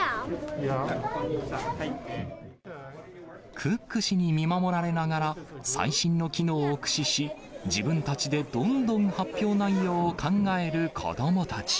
クック氏に見守られながら、最新の機能を駆使し、自分たちでどんどん発表内容を考える子どもたち。